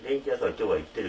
今日は行ってる